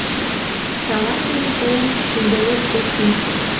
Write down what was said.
Салам дене тыйын шӱмбелет Зосим.